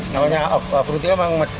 namanya off road itu memang mencari